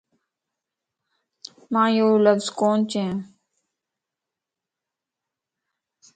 مان ايو لفظ ڪون چين